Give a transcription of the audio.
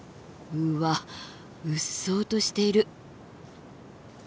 うっそうとしている。